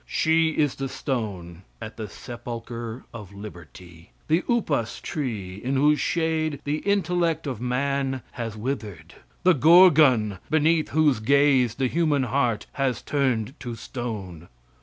She is the stone at the sepulcher of liberty; the upas tree in whose shade the intellect of man has withered; the gorgon beneath whose gaze the human heart has turned to stone.